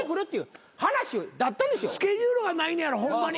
スケジュールがないんやろホンマに。